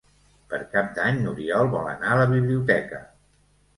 Per Cap d'Any n'Oriol vol anar a la biblioteca.